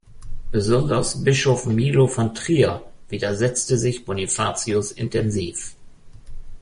Besonders Bischof Milo von Trier widersetzte sich Bonifatius intensiv.